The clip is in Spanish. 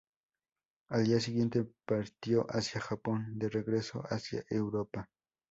Al día siguiente partió hacia Japón, de regreso hacia Europa.